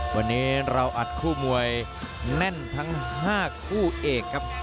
วันนี้เราอัดคู่มวยแน่นทั้ง๕คู่เอกครับ